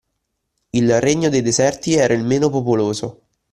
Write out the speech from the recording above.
Il Regno dei deserti era il meno popoloso